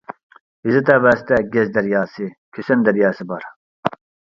يېزا تەۋەسىدە گەز دەرياسى، كۈسەن دەرياسى بار.